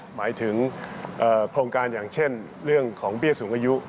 หมายถึงโครงการอย่างเช่นเรื่องของเบี้ยสูงอายุ